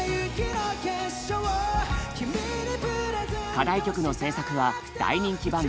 課題曲の制作は大人気バンド